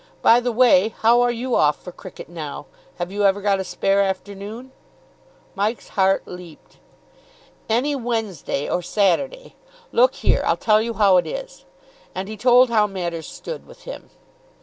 By the way, how are you off for cricket now? Have you ever got a spare afternoon?" Mike's heart leaped. "Any Wednesday or Saturday. Look here, I'll tell you how it is." And he told how matters stood with him.